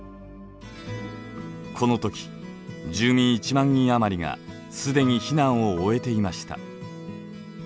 このとき住民１万人余りが既に避難を終えていました。